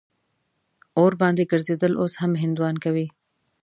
اور باندې ګرځېدل اوس هم هندوان کوي.